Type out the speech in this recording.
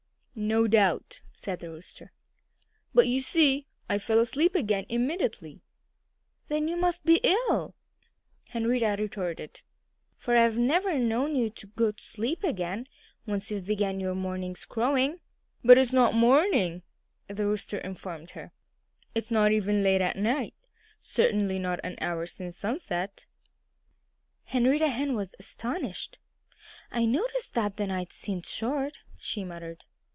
"No doubt!" said the Rooster. "But you see, I fell asleep again immediately." "Then you must be ill," Henrietta retorted, "for I've never known you to go to sleep again, once you've begun your morning's crowing." "But it's not morning now," the Rooster informed her. "It's not even late at night certainly not an hour since sunset." Henrietta Hen was astonished. "I noticed that the night seemed short," she muttered.